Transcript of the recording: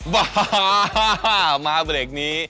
ม้าใหม่ของเด็กนี้